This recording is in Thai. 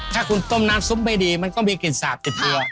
ถ้าคุณต้มน้ำซุปไม่ดีมันก็มีกลิ่นสาบติดตัว